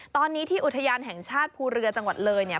ตอนนี้ที่อุทยานแห่งชาติภูเรือจังหวัดเลยเนี่ย